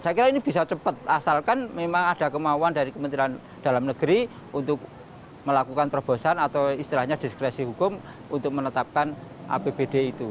saya kira ini bisa cepat asalkan memang ada kemauan dari kementerian dalam negeri untuk melakukan terobosan atau istilahnya diskresi hukum untuk menetapkan apbd itu